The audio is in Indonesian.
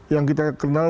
yang kita kenal